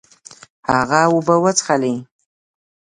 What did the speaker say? هغه اوبه وڅښلې.